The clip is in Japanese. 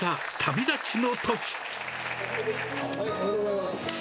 おめでとうございます。